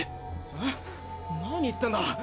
えっ何言ってんだ？